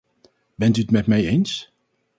Bent u het met mij eens?